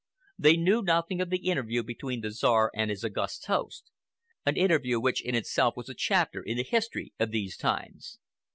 They knew nothing of the interview between the Czar and his August host—an interview which in itself was a chapter in the history of these times.